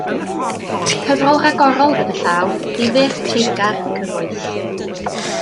Cyfrol ragorol gyda llaw; difyr, treiddgar, cyfoes.